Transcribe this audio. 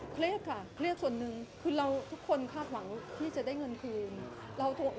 เครียดค่ะเครียดส่วนหนึ่งคือเราทุกคนคาดหวังที่จะได้เงินคืน